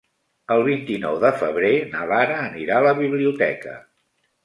El vint-i-nou de febrer na Lara anirà a la biblioteca.